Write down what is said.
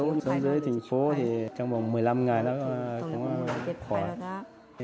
sống dưới thành phố thì trong vòng một mươi năm ngày nó cũng khỏi